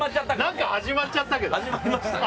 何か始まっちゃったけど。